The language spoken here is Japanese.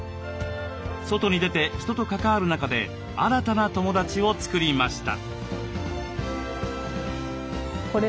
外に出て人と関わる中で新たな友だちを作りました。